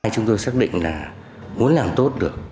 chúng tôi xác định là muốn làm tốt được